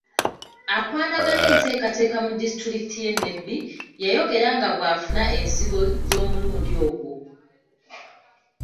Akwanaganya enteekateeka mu disitulikiti y'e Nebbi yayogera nga bw'afuna ensigo z'omulundi ogwo.